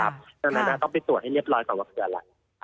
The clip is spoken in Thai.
ดังนั้นต้องไปตรวจให้เรียบร้อยก่อนว่าคืออะไร